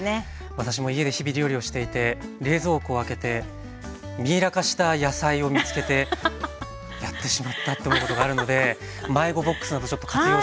私も家で日々料理をしていて冷蔵庫を開けてミイラ化した野菜を見つけてやってしまったと思うことがあるので迷子ボックスなどちょっと活用していきたいと思います。